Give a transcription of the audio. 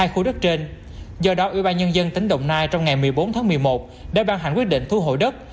hai khu đất trên do đó ubnd tỉnh đồng nai trong ngày một mươi bốn tháng một mươi một đã ban hành quyết định thu hội đất